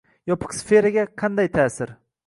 “yopiq sferaga” qanday ta’sir